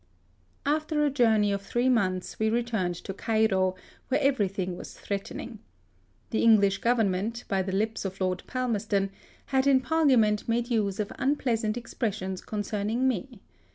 After a journey of three months we re turned to Cairo, where everything was threatening. The English Government, by the lips of Lord Palmerston, had in Parlia ment made use of unpleasant expressions concerning me.